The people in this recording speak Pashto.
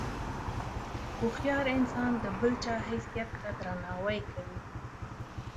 هوښیار انسان د بل چا حیثیت ته درناوی کوي.